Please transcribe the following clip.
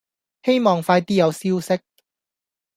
希望快啲有消息